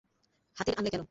হাতির আনলে কেন?